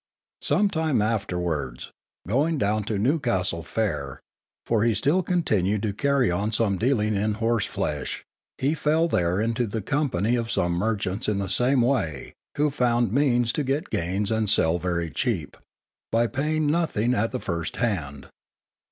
Sometime afterwards, going down to Newcastle Fair (for he still continued to carry on some dealing in horse flesh) he fell there into the company of some merchants in the same way, who found means to get gains and sell very cheap, by paying nothing at the first hand.